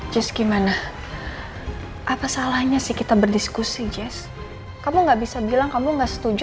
jazz gimana apa salahnya sih kita berdiskusi jazz kamu nggak bisa bilang kamu nggak setuju